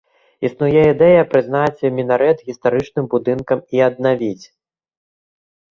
Існуе ідэя прызнаць мінарэт гістарычным будынкам і аднавіць.